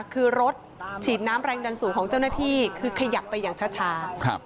คือรถฉีดน้ำแรงดันสูงของเจ้าหน้าที่คือขยับไปอย่างช้า